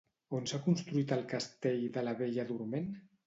On s'ha construït el castell de la Bella Dorment?